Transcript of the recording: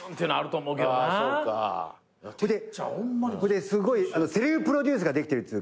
ですごいセルフプロデュースができてるっつうか。